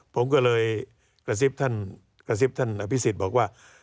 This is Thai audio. ผมก็เลยกระซิบท่านอภิษฎิ์บอกว่า